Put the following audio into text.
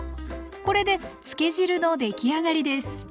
これでつけ汁のできあがりです。